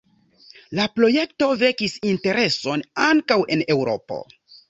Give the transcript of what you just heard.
La projekto vekis intereson ankaŭ en Eŭropo.